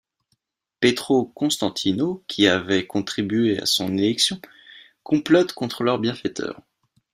Petro Constantino, qui avaient contribué à son élection, complotent contre leur bienfaiteur.